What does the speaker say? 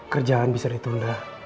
kerjaan bisa ditunda